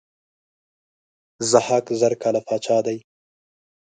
ضحاک زر کاله پاچا دی.